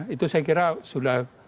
itu saya kira sudah